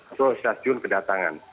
atau stasiun kedatangan